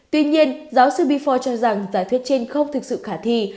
tuy nhiên giáo sư bifor cho rằng giả thuyết trên không thực sự khả thi